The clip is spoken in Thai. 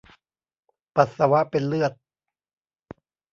ปัสสาวะเป็นเลือด